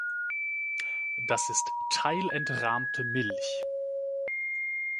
Das ist teilentrahmte Milch.